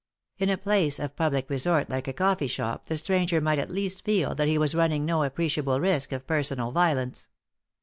In a place of public resort like a coffee shop the stranger might at least feel that he was running no appreciable risk of personal violence.